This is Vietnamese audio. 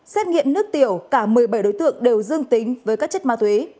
xét nghiệm nước tiểu cả một mươi bảy đối tượng đều dương tính với các chất ma túy